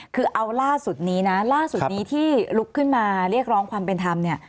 คือเอาล่าสุดนี้นะล่าสุดนี้ที่ลุกขึ้นมาเรียกร้องความเป็นธรรมเนี่ย